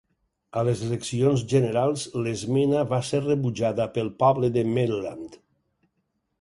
A les eleccions generals, l'esmena va ser rebutjada pel poble de Maryland.